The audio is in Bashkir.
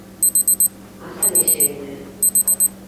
Ас әле ишегеңде.